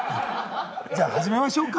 じゃあ始めましょうか。